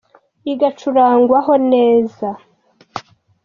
Igacurangwa ho ineza